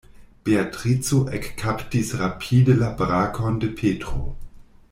Beatrico ekkaptis rapide la brakon de Petro.